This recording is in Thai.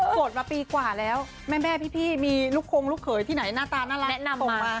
โศตรมาปีกว่าแล้วแม่แม่พี่มีลูกคงลูกเขยที่ไหนหน้าตาน่าลาโป่งมา